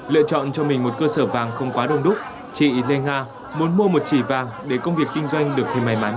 lựa chọn cho mình một cơ sở vàng không quá đông đúc chị lê nga muốn mua một chỉ vàng để công việc kinh doanh được thì may mắn